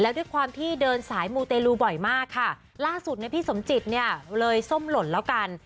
แล้วด้วยความที่เดินสายมูเตลูบ่อยมากค่ะล่าสุดเนี่ยพี่สมจิตเนี่ยเลยส้มหล่นแล้วกัน